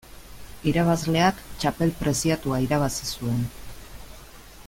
Irabazleak txapel preziatua irabazi zuen.